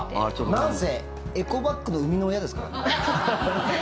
なんせ、エコバッグの生みの親ですからね。